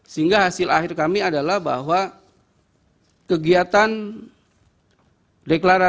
sehingga hasil akhir kami adalah bahwa kegiatan deklarasi